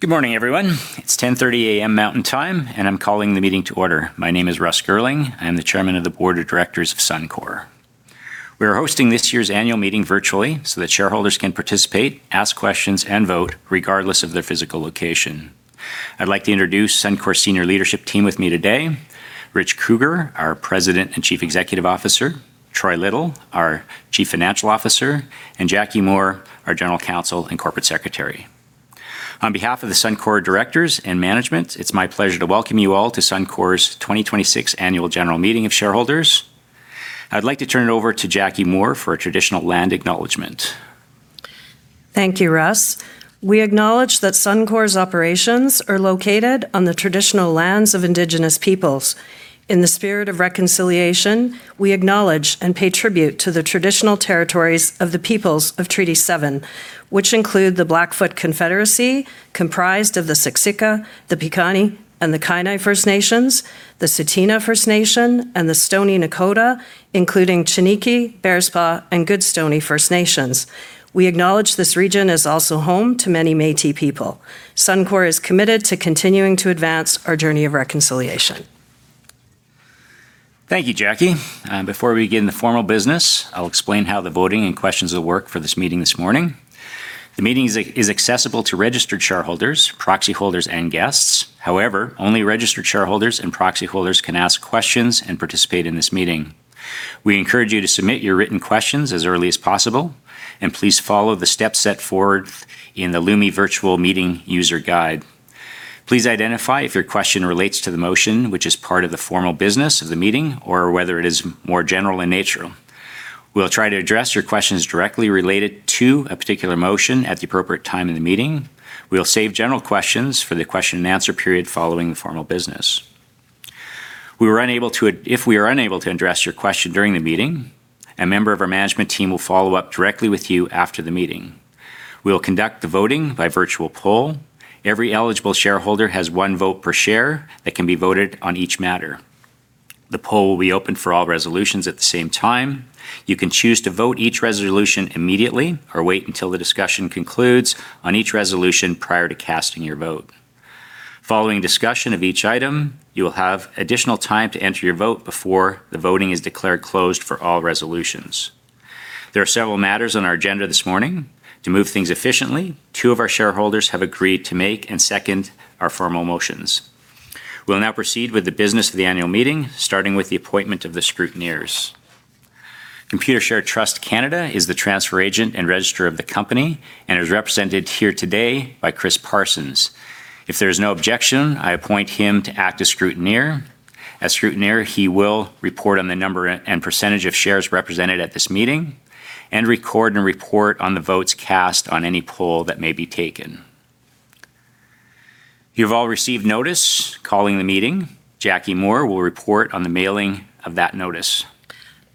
Good morning, everyone. It's 10:30 A.M. Mountain Time, and I'm calling the meeting to order. My name is Russell Girling. I am the Chairman of the Board of Directors of Suncor. We are hosting this year's annual meeting virtually so that shareholders can participate, ask questions, and vote regardless of their physical location. I'd like to introduce Suncor senior leadership team with me today. Rich Kruger, our President and Chief Executive Officer, Troy Little, our Chief Financial Officer, and Jacquie Moore, our General Counsel and Corporate Secretary. On behalf of the Suncor directors and management, it's my pleasure to welcome you all to Suncor's 2026 annual general meeting of shareholders. I'd like to turn it over to Jacquie Moore for a traditional land acknowledgement. Thank you, Russ. We acknowledge that Suncor's operations are located on the traditional lands of Indigenous peoples. In the spirit of reconciliation, we acknowledge and pay tribute to the traditional territories of the peoples of Treaty 7, which include the Blackfoot Confederacy, comprised of the Siksika, the Piikani, and the Kainai First Nations, the Tsuut'ina First Nation, and the Stoney Nakoda, including Chiniki, Bearspaw, and Goodstoney First Nations. We acknowledge this region is also home to many Métis people. Suncor is committed to continuing to advance our journey of reconciliation. Thank you, Jacquie. Before we begin the formal business, I'll explain how the voting and questions will work for this meeting this morning. The meeting is accessible to registered shareholders, proxyholders, and guests. However, only registered shareholders and proxyholders can ask questions and participate in this meeting. We encourage you to submit your written questions as early as possible. Please follow the steps set forward in the Lumi Virtual Meeting User Guide. Please identify if your question relates to the motion, which is part of the formal business of the meeting, or whether it is more general in nature. We'll try to address your questions directly related to a particular motion at the appropriate time in the meeting. We'll save general questions for the question and answer period following the formal business. If we are unable to address your question during the meeting, a member of our management team will follow up directly with you after the meeting. We will conduct the voting by virtual poll. Every eligible shareholder has one vote per share that can be voted on each matter. The poll will be open for all resolutions at the same time. You can choose to vote each resolution immediately or wait until the discussion concludes on each resolution prior to casting your vote. Following discussion of each item, you will have additional time to enter your vote before the voting is declared closed for all resolutions. There are several matters on our agenda this morning. To move things efficiently, two of our shareholders have agreed to make and second our formal motions. We'll now proceed with the business of the annual meeting, starting with the appointment of the scrutineers. Computershare Trust Company of Canada is the transfer agent and registrar of the company and is represented here today by Chris Parsons. If there is no objection, I appoint him to act as scrutineer. As scrutineer, he will report on the number and percentage of shares represented at this meeting and record and report on the votes cast on any poll that may be taken. You've all received notice calling the meeting. Jacquie Moore will report on the mailing of that notice.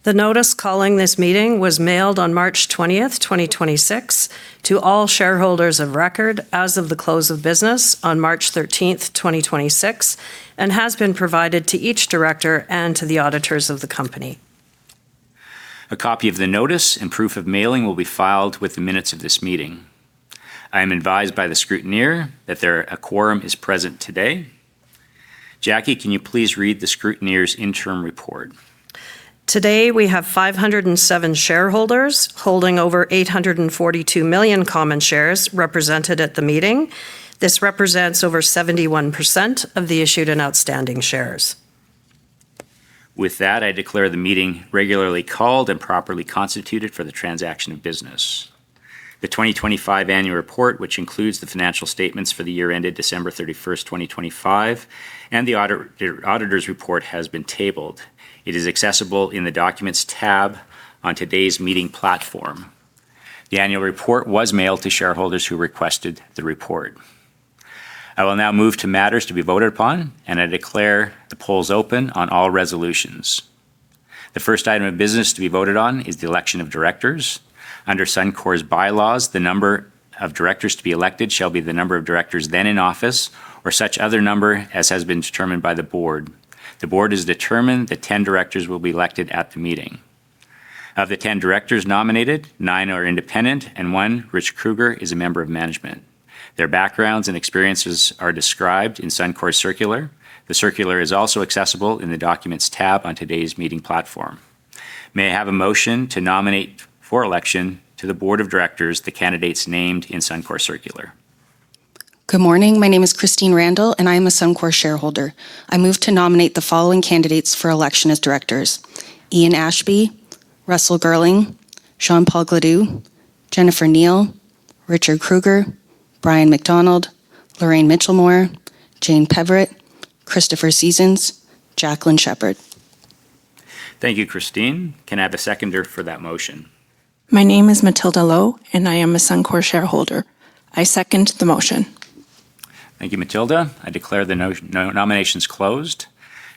The notice calling this meeting was mailed on March 20th, 2026 to all shareholders of record as of the close of business on March 13th, 2026 and has been provided to each director and to the auditors of the company. A copy of the notice and proof of mailing will be filed with the minutes of this meeting. I am advised by the scrutineer that a quorum is present today. Jacquie, can you please read the scrutineer's interim report? Today, we have 507 shareholders holding over 842 million common shares represented at the meeting. This represents over 71% of the issued and outstanding shares. With that, I declare the meeting regularly called and properly constituted for the transaction of business. The 2025 annual report, which includes the financial statements for the year ended December 31st, 2025, and the auditor's report has been tabled. It is accessible in the Documents tab on today's meeting platform. The annual report was mailed to shareholders who requested the report. I will now move to matters to be voted upon, and I declare the polls open on all resolutions. The first item of business to be voted on is the election of directors. Under Suncor's bylaws, the number of directors to be elected shall be the number of directors then in office or such other number as has been determined by the board. The board has determined that 10 directors will be elected at the meeting. Of the 10 directors nominated, nine are independent and one, Rich Kruger, is a member of management. Their backgrounds and experiences are described in Suncor's circular. The circular is also accessible in the Documents tab on today's meeting platform. May I have a motion to nominate for election to the board of directors the candidates named in Suncor's circular? Good morning. My name is Christine Randall, and I am a Suncor shareholder. I move to nominate the following candidates for election as directors: Ian Ashby, Russell Girling, Jean Paul Gladu, Jennifer Kneale, Rich Kruger, Brian MacDonald, Lorraine Mitchelmore, Jane Peverett, Chris Seasons, Jackie Sheppard. Thank you, Christine. Can I have a seconder for that motion? My name is Matilda Lowe, and I am a Suncor shareholder. I second the motion. Thank you, Matilda Lowe. I declare the nominations closed.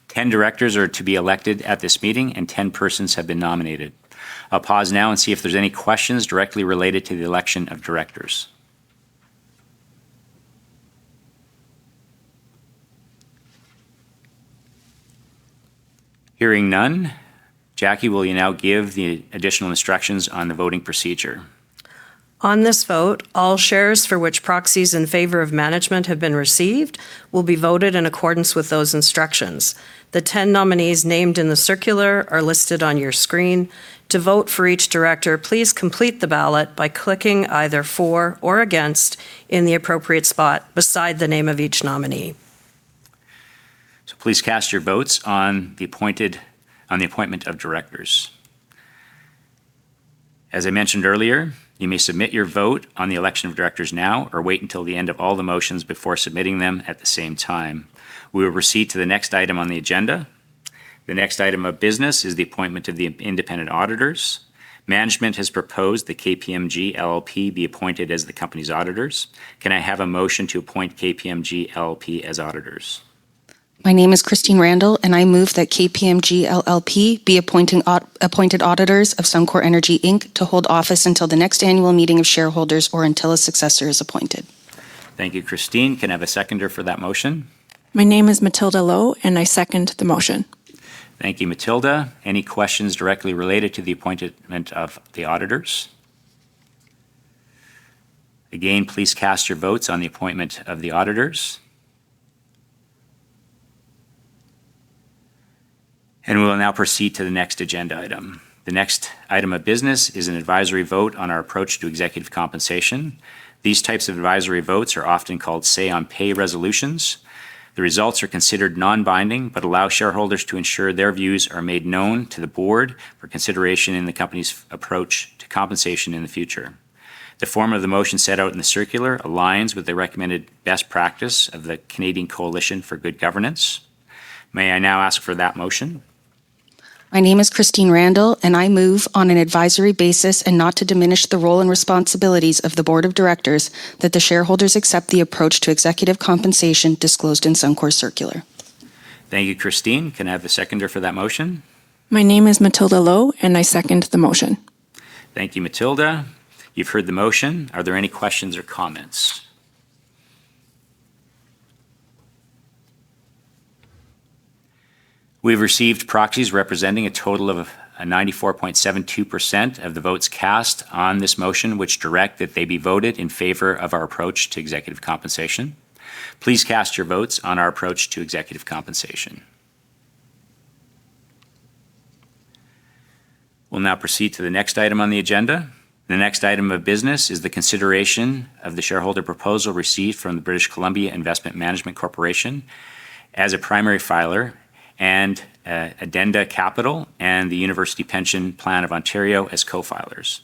Ten directors are to be elected at this meeting, and ten persons have been nominated. I'll pause now and see if there's any questions directly related to the election of directors. Hearing none, Jacquie, will you now give the additional instructions on the voting procedure? On this vote, all shares for which proxies in favor of management have been received will be voted in accordance with those instructions. The 10 nominees named in the circular are listed on your screen. To vote for each director, please complete the ballot by clicking either for or against in the appropriate spot beside the name of each nominee. Please cast your votes on the appointment of directors. As I mentioned earlier, you may submit your vote on the election of directors now or wait until the end of all the motions before submitting them at the same time. We will proceed to the next item on the agenda. The next item of business is the appointment of the independent auditors. Management has proposed that KPMG be appointed as the company's auditors. Can I have a motion to appoint KPMG as auditors? My name is Christine Randall, I move that KPMG be appointed auditors of Suncor Energy Inc. To hold office until the next annual meeting of shareholders or until a successor is appointed. Thank you, Christine. Can I have a seconder for that motion? My name is Matilda Lowe, and I second the motion. Thank you, Matilda. Any questions directly related to the appointment of the auditors? Again, please cast your votes on the appointment of the auditors. We will now proceed to the next agenda item. The next item of business is an advisory vote on our approach to executive compensation. These types of advisory votes are often called say on pay resolutions. The results are considered non-binding but allow shareholders to ensure their views are made known to the board for consideration in the company's approach to compensation in the future. The form of the motion set out in the circular aligns with the recommended best practice of the Canadian Coalition for Good Governance. May I now ask for that motion? My name is Christine Randall, and I move on an advisory basis and not to diminish the role and responsibilities of the board of directors that the shareholders accept the approach to executive compensation disclosed in Suncor circular. Thank you, Christine. Can I have the seconder for that motion? My name is Matilda Lowe, and I second the motion. Thank you, Matilda Lowe. You've heard the motion. Are there any questions or comments? We've received proxies representing a total of 94.72% of the votes cast on this motion, which direct that they be voted in favor of our approach to executive compensation. Please cast your votes on our approach to executive compensation. We'll now proceed to the next item on the agenda. The next item of business is the consideration of the shareholder proposal received from the British Columbia Investment Management Corporation as a primary filer and Addenda Capital and the University Pension Plan Ontario as co-filers.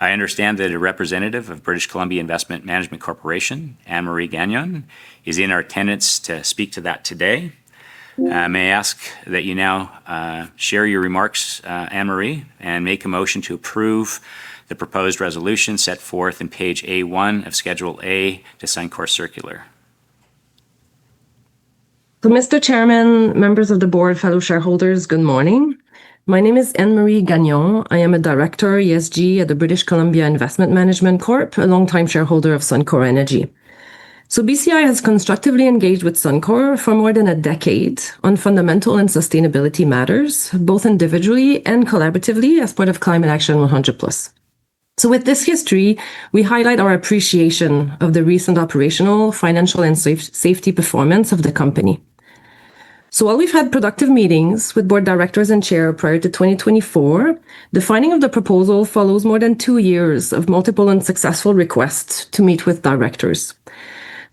I understand that a representative of British Columbia Investment Management Corporation, Anne-Marie Gagnon, is in our attendance to speak to that today. May I ask that you now share your remarks, Anne-Marie, and make a motion to approve the proposed resolution set forth in page A.1 of Schedule A to Suncor circular. Mr. Chairman, members of the board, fellow shareholders, good morning. My name is Anne-Marie Gagnon. I am a Director, ESG at the British Columbia Investment Management Corporation, a longtime shareholder of Suncor Energy. BCI has constructively engaged with Suncor for more than a decade on fundamental and sustainability matters, both individually and collaboratively as part of Climate Action 100+. With this history, we highlight our appreciation of the recent operational, financial, and safety performance of the company. While we've had productive meetings with board directors and chair prior to 2024, the finding of the proposal follows more than two years of multiple unsuccessful requests to meet with directors.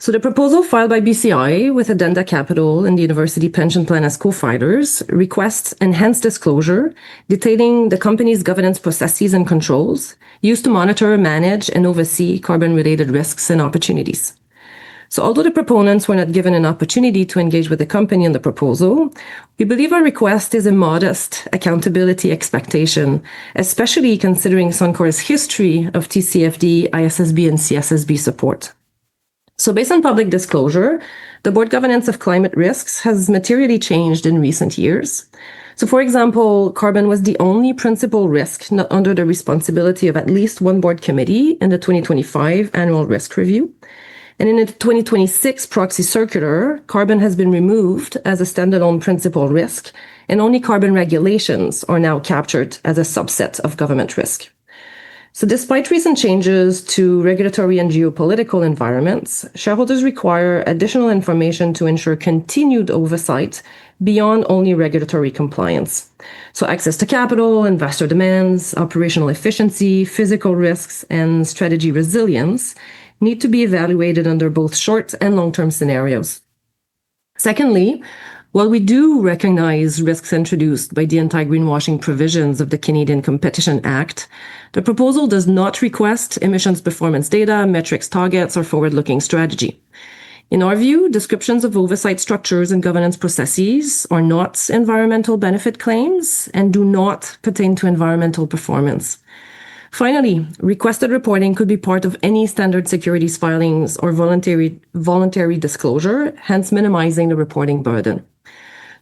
The proposal filed by BCI with Addenda Capital and the University Pension Plan as co-filers requests enhanced disclosure detailing the company's governance processes and controls used to monitor, manage, and oversee carbon-related risks and opportunities. Although the proponents were not given an opportunity to engage with the company on the proposal, we believe our request is a modest accountability expectation, especially considering Suncor's history of TCFD, ISSB, and CSSB support. Based on public disclosure, the board governance of climate risks has materially changed in recent years. For example, carbon was the only principal risk not under the responsibility of at least one board committee in the 2025 annual risk review. In its 2026 proxy circular, carbon has been removed as a standalone principal risk, and only carbon regulations are now captured as a subset of government risk. Despite recent changes to regulatory and geopolitical environments, shareholders require additional information to ensure continued oversight beyond only regulatory compliance. Access to capital, investor demands, operational efficiency, physical risks, and strategy resilience need to be evaluated under both short and long-term scenarios. Secondly, while we do recognize risks introduced by the anti-greenwashing provisions of the Canadian Competition Act, the proposal does not request emissions performance data, metrics targets, or forward-looking strategy. In our view, descriptions of oversight structures and governance processes are not environmental benefit claims and do not pertain to environmental performance. Finally, requested reporting could be part of any standard securities filings or voluntary disclosure, hence minimizing the reporting burden.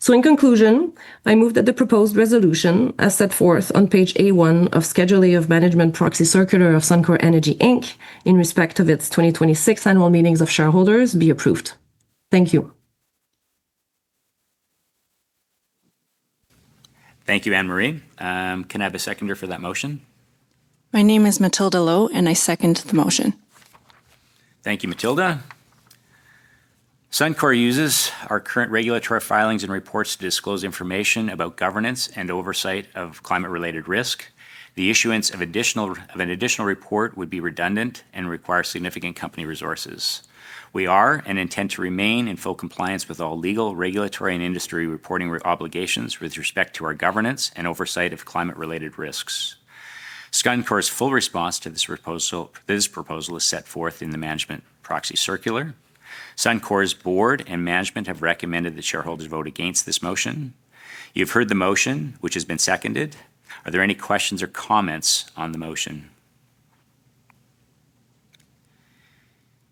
In conclusion, I move that the proposed resolution, as set forth on page A.1 of Schedule A of Management Proxy Circular of Suncor Energy Inc. In respect of its 2026 annual meetings of shareholders, be approved. Thank you. Thank you, Anne-Marie. Can I have a seconder for that motion? My name is Matilda Lowe, and I second the motion. Thank you, Matilda. Suncor uses our current regulatory filings and reports to disclose information about governance and oversight of climate-related risk. The issuance of an additional report would be redundant and require significant company resources. We are, and intend to remain, in full compliance with all legal, regulatory, and industry reporting obligations with respect to our governance and oversight of climate-related risks. Suncor's full response to this proposal is set forth in the management proxy circular. Suncor's board and management have recommended that shareholders vote against this motion. You've heard the motion, which has been seconded. Are there any questions or comments on the motion?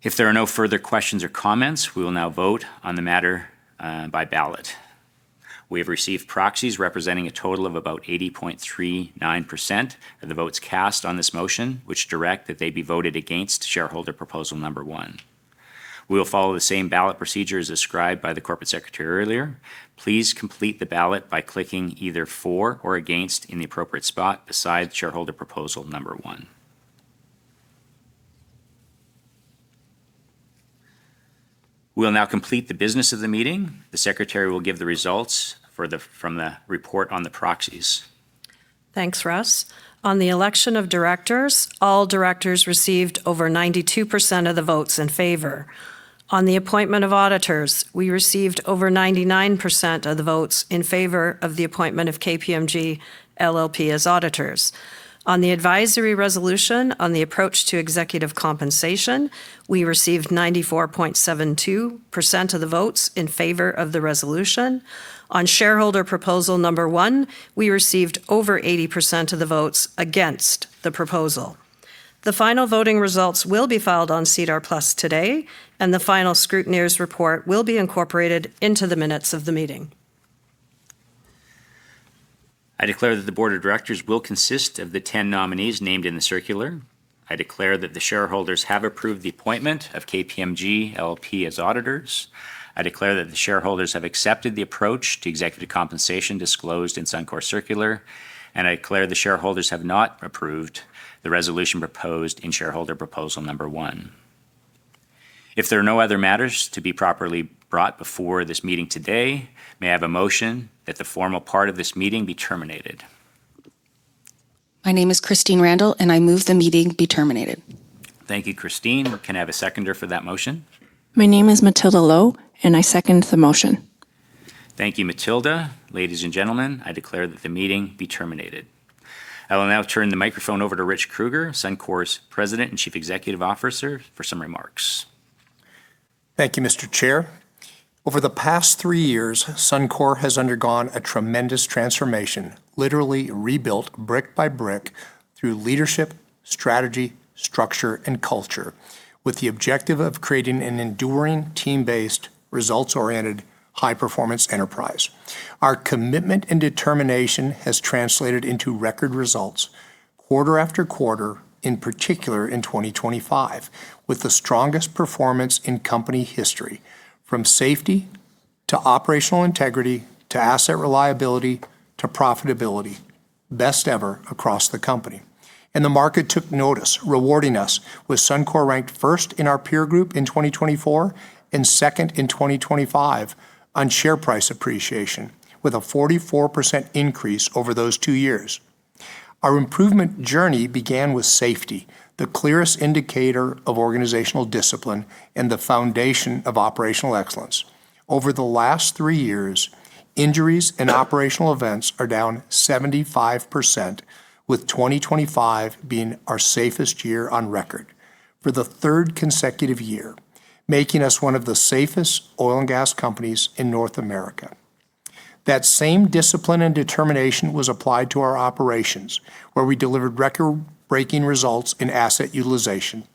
If there are no further questions or comments, we will now vote on the matter by ballot. We have received proxies representing a total of about 80.39% of the votes cast on this motion, which direct that they be voted against shareholder proposal one. We will follow the same ballot procedure as described by the corporate secretary earlier. Please complete the ballot by clicking either for or against in the appropriate spot beside shareholder proposal number 1 one. We will now complete the business of the meeting. The secretary will give the results from the report on the proxies. Thanks, Russ. On the election of directors, all directors received over 92% of the votes in favor. On the appointment of auditors, we received over 99% of the votes in favor of the appointment of KPMG as auditors. On the advisory resolution on the approach to executive compensation, we received 94.72% of the votes in favor of the resolution. On shareholder proposal number one, we received over 80% of the votes against the proposal. The final voting results will be filed on SEDAR+ today. The final scrutineer's report will be incorporated into the minutes of the meeting. I declare that the board of directors will consist of the 10 nominees named in the circular. I declare that the shareholders have approved the appointment of KPMG as auditors. I declare that the shareholders have accepted the approach to executive compensation disclosed in Suncor's circular, and I declare the shareholders have not approved the resolution proposed in shareholder proposal number one. If there are no other matters to be properly brought before this meeting today, may I have a motion that the formal part of this meeting be terminated? My name is Christine Randall, and I move the meeting be terminated. Thank you, Christine. Can I have a seconder for that motion? My name is Matilda Lowe, and I second the motion. Thank you, Matilda. Ladies and gentlemen, I declare that the meeting be terminated. I will now turn the microphone over to Rich Kruger, Suncor's President and Chief Executive Officer, for some remarks. Thank you, Mr. Chair. Over the past three years, Suncor has undergone a tremendous transformation, literally rebuilt brick by brick through leadership, strategy, structure, and culture, with the objective of creating an enduring, team-based, results-oriented, high-performance enterprise. Our commitment and determination has translated into record results quarter after quarter, in particular in 2025, with the strongest performance in company history, from safety to operational integrity, to asset reliability, to profitability, best ever across the company. The market took notice, rewarding us with Suncor ranked first in our peer group in 2024 and second in 2025 on share price appreciation, with a 44% increase over those two years. Our improvement journey began with safety, the clearest indicator of organizational discipline and the foundation of operational excellence. Over the last three years, injuries and operational events are down 75%, with 2025 being our safest year on record for the third consecutive year, making us one of the safest oil and gas companies in North America. That same discipline and determination was applied to our operations, where we delivered record-breaking results in asset utilization,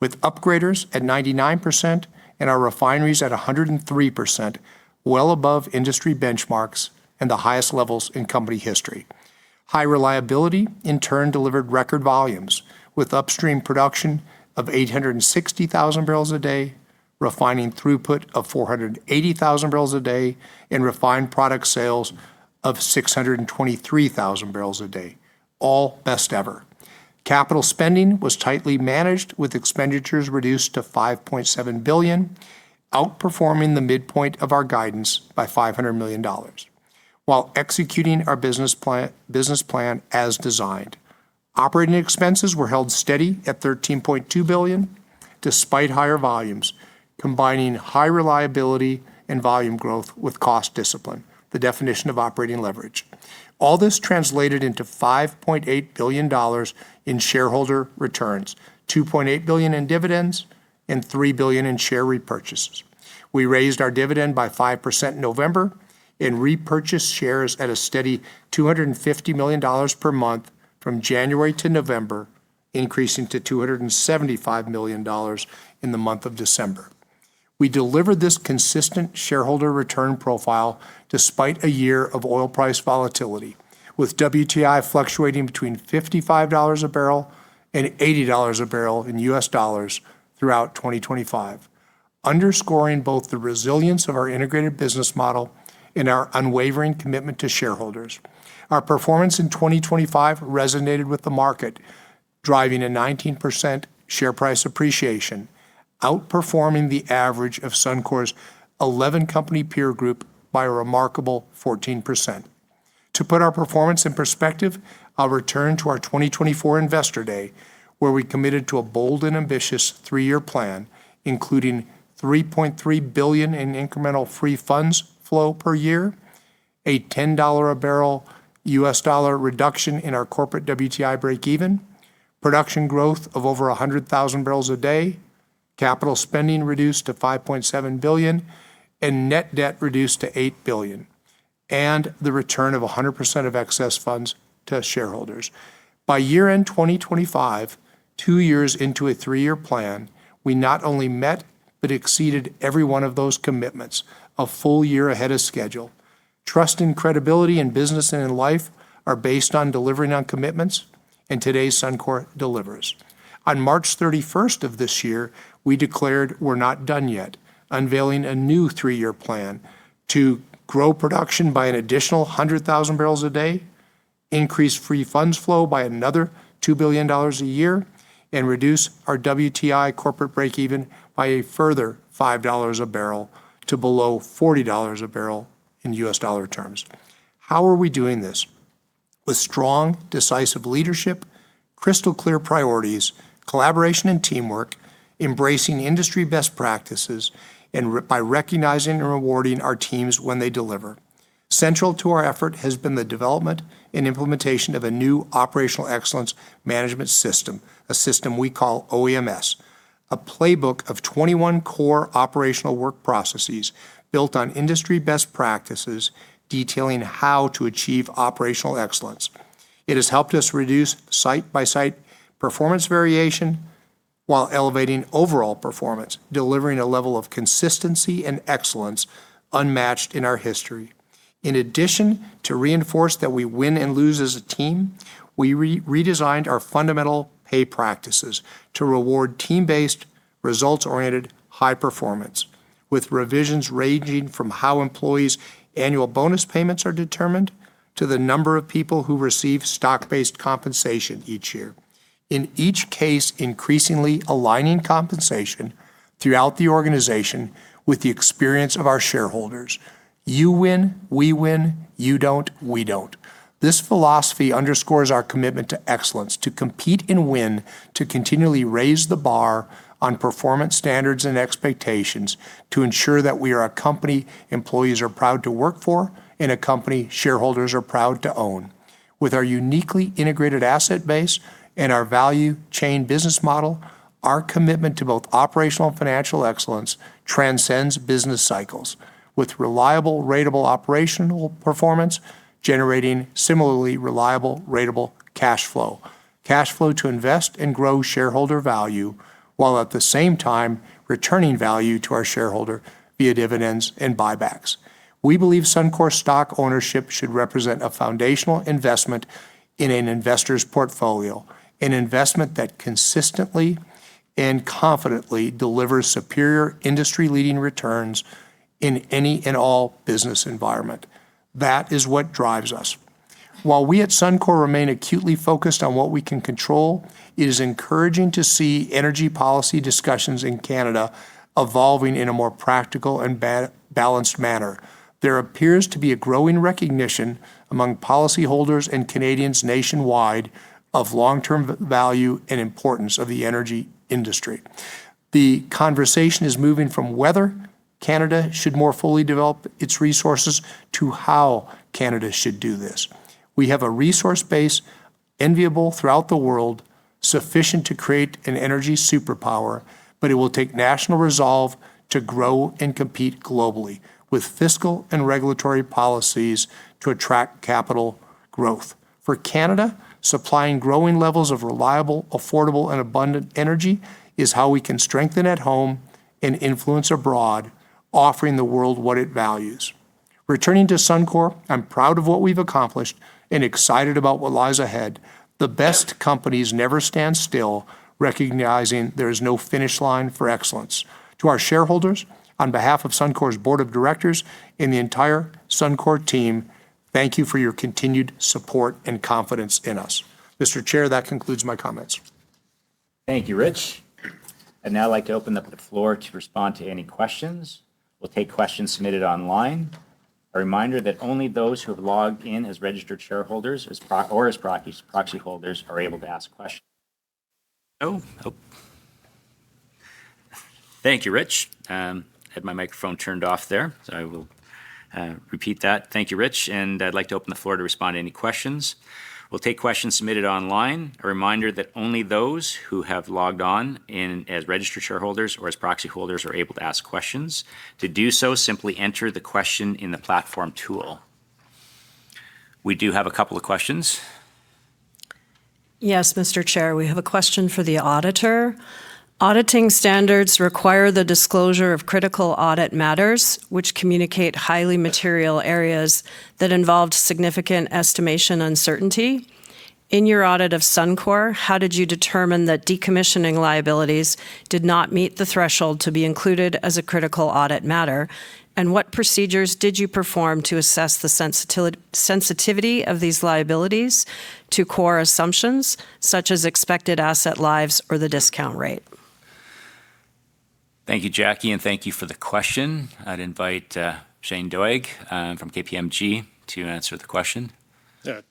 with upgraders at 99% and our refineries at 103%, well above industry benchmarks and the highest levels in company history. High reliability in turn delivered record volumes with upstream production of 860,000 barrels a day, refining throughput of 480,000 barrels a day, and refined product sales of 623,000 barrels a day, all best ever. Capital spending was tightly managed with expenditures reduced to 5.7 billion, outperforming the midpoint of our guidance by 500 million dollars while executing our business plan as designed. Operating expenses were held steady at 13.2 billion, despite higher volumes, combining high reliability and volume growth with cost discipline, the definition of operating leverage. All this translated into 5.8 billion dollars in shareholder returns, 2.8 billion in dividends and 3 billion in share repurchases. We raised our dividend by 5% in November and repurchased shares at a steady 250 million dollars per month from January to November, increasing to 275 million dollars in the month of December. We delivered this consistent shareholder return profile despite a year of oil price volatility, with WTI fluctuating between $55 a barrel and $80 a barrel in U.S. dollars throughout 2025, underscoring both the resilience of our integrated business model and our unwavering commitment to shareholders. Our performance in 2025 resonated with the market, driving a 19% share price appreciation, outperforming the average of Suncor's 11-company peer group by a remarkable 14%. To put our performance in perspective, I'll return to our 2024 Investor Day, where we committed to a bold and ambitious three-year plan, including 3.3 billion in incremental free funds flow per year, a $10 a barrel U.S. dollar reduction in our corporate WTI breakeven, production growth of over 100,000 barrels a day, capital spending reduced to 5.7 billion, and net debt reduced to 8 billion, and the return of 100% of excess funds to shareholders. By year-end 2025, two years into a three-year plan, we not only met but exceeded every one of those commitments a full year ahead of schedule. Trust and credibility in business and in life are based on delivering on commitments. Today Suncor delivers. On March 31st of this year, we declared we're not done yet, unveiling a new three-year plan to grow production by an additional 100,000 barrels a day, increase free funds flow by another 2 billion dollars a year, and reduce our WTI corporate breakeven by a further $5 a barrel to below $40 a barrel in U.S. dollar terms. How are we doing this? With strong, decisive leadership, crystal-clear priorities, collaboration and teamwork, embracing industry best practices, and by recognizing and rewarding our teams when they deliver. Central to our effort has been the development and implementation of a new operational excellence management system, a system we call OEMS, a playbook of 21 core operational work processes built on industry best practices detailing how to achieve operational excellence. It has helped us reduce site-by-site performance variation while elevating overall performance, delivering a level of consistency and excellence unmatched in our history. In addition, to reinforce that we win and lose as a team, we redesigned our fundamental pay practices to reward team-based, results-oriented, high performance, with revisions ranging from how employees' annual bonus payments are determined to the number of people who receive stock-based compensation each year. In each case, increasingly aligning compensation throughout the organization with the experience of our shareholders. You win, we win. You don't, we don't. This philosophy underscores our commitment to excellence, to compete and win, to continually raise the bar on performance standards and expectations, to ensure that we are a company employees are proud to work for and a company shareholders are proud to own. With our uniquely integrated asset base and our value chain business model, our commitment to both operational and financial excellence transcends business cycles, with reliable ratable operational performance generating similarly reliable ratable cash flow, cash flow to invest and grow shareholder value, while at the same time returning value to our shareholder via dividends and buybacks. We believe Suncor stock ownership should represent a foundational investment in an investor's portfolio, an investment that consistently and confidently delivers superior industry-leading returns in any and all business environment. That is what drives us. While we at Suncor remain acutely focused on what we can control, it is encouraging to see energy policy discussions in Canada evolving in a more practical and balanced manner. There appears to be a growing recognition among policymakers and Canadians nationwide of long-term value and importance of the energy industry. The conversation is moving from whether Canada should more fully develop its resources to how Canada should do this. We have a resource base enviable throughout the world, sufficient to create an energy superpower, but it will take national resolve to grow and compete globally, with fiscal and regulatory policies to attract capital growth. For Canada, supplying growing levels of reliable, affordable, and abundant energy is how we can strengthen at home and influence abroad, offering the world what it values. Returning to Suncor, I'm proud of what we've accomplished and excited about what lies ahead. The best companies never stand still, recognizing there is no finish line for excellence. To our shareholders, on behalf of Suncor's Board of Directors and the entire Suncor team, thank you for your continued support and confidence in us. Mr. Chair, that concludes my comments. Thank you, Rich. I'd like to open the floor to respond to any questions. We'll take questions submitted online. A reminder that only those who have logged on in as registered shareholders or as proxy holders are able to ask questions. To do so, simply enter the question in the platform tool. We do have a couple of questions. Yes, Mr. Chair, we have a question for the auditor. Auditing standards require the disclosure of critical audit matters, which communicate highly material areas that involve significant estimation uncertainty. In your audit of Suncor, how did you determine that decommissioning liabilities did not meet the threshold to be included as a critical audit matter? What procedures did you perform to assess the sensitivity of these liabilities to core assumptions, such as expected asset lives or the discount rate? Thank you, Jacquie Moore, and thank you for the question. I'd invite Shane Doig from KPMG to answer the question.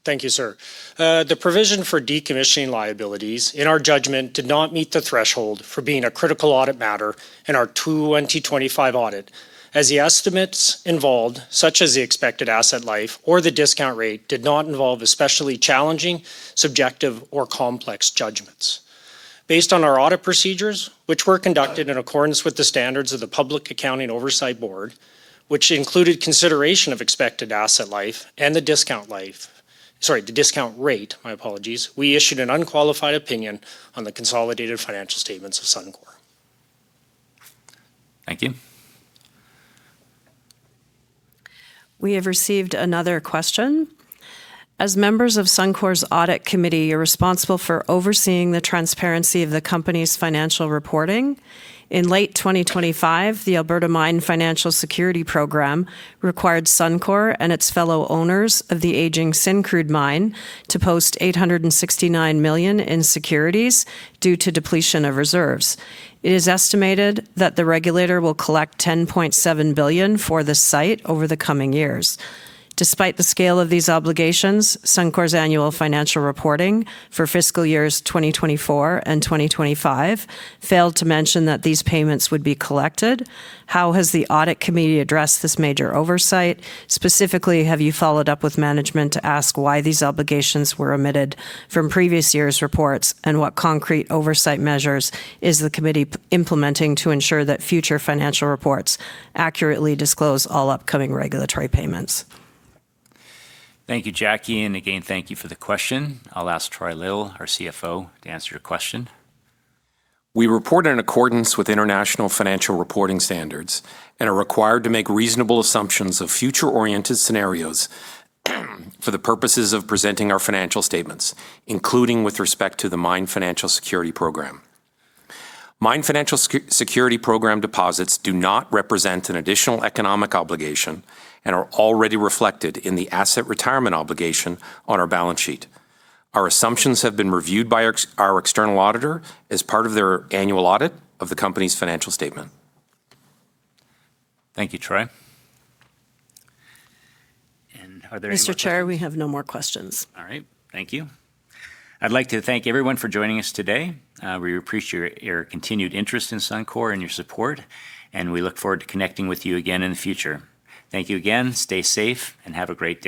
Thank you, sir. The provision for decommissioning liabilities, in our judgment, did not meet the threshold for being a critical audit matter in our 2025 audit, as the estimates involved, such as the expected asset life or the discount rate, did not involve especially challenging, subjective, or complex judgments. Based on our audit procedures, which were conducted in accordance with the standards of the Public Company Accounting Oversight Board, which included consideration of expected asset life and the discount rate, my apologies, we issued an unqualified opinion on the consolidated financial statements of Suncor. Thank you. We have received another question. As members of Suncor's audit committee, you're responsible for overseeing the transparency of the company's financial reporting. In late 2025, the Alberta Mine Financial Security Program required Suncor and its fellow owners of the aging Syncrude Mine to post 869 million in securities due to depletion of reserves. It is estimated that the regulator will collect 10.7 billion for this site over the coming years. Despite the scale of these obligations, Suncor's annual financial reporting for fiscal years 2024 and 2025 failed to mention that these payments would be collected. How has the audit committee addressed this major oversight? Specifically, have you followed up with management to ask why these obligations were omitted from previous years' reports, and what concrete oversight measures is the committee implementing to ensure that future financial reports accurately disclose all upcoming regulatory payments? Thank you, Jacquie, and again, thank you for the question. I'll ask Troy Little, our CFO, to answer your question. We report in accordance with International Financial Reporting Standards and are required to make reasonable assumptions of future-oriented scenarios for the purposes of presenting our financial statements, including with respect to the Mine Financial Security Program. Mine Financial Security Program deposits do not represent an additional economic obligation and are already reflected in the asset retirement obligation on our balance sheet. Our assumptions have been reviewed by our external auditor as part of their annual audit of the company's financial statement. Thank you, Troy. Are there any more- Mr. Chair, we have no more questions. All right. Thank you. I'd like to thank everyone for joining us today. We appreciate your continued interest in Suncor and your support, and we look forward to connecting with you again in the future. Thank you again. Stay safe, and have a great day.